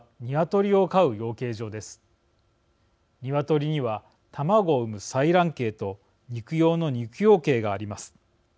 鶏には、卵を産む採卵鶏と肉用の肉用鶏があります。